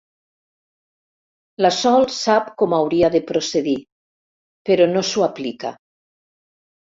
La Sol sap com hauria de procedir, però no s'ho aplica.